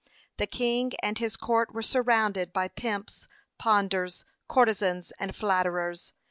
The king and his court were surrounded by pimps, panders, courtesans, and flatterers.